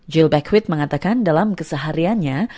jill beckwith mengatakan dalam kesehariannya